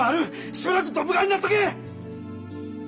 しばらくドブ川になっとけ！